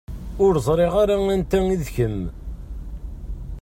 Ur ẓriɣ ara anta i d kemm.